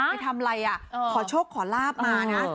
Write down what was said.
ไปทำอะไรอ่ะขอโชคขอลาบมานะ